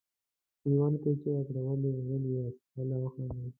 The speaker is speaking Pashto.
کليوالو ته یې چیغه کړه ولې غلي یاست هله وخاندئ.